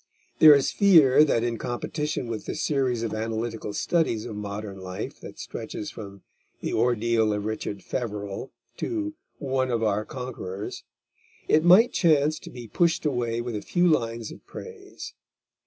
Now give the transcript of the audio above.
There is fear that in competition with the series of analytical studies of modern life that stretches from The Ordeal of Richard Feverel to One of our Conquerors, it might chance to be pushed away with a few lines of praise.